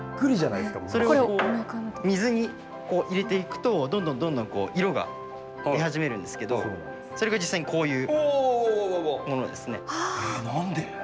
水に入れていくと、どんどんどんどん、色が出始めるんですけど、それが実際にこういうものでなんで？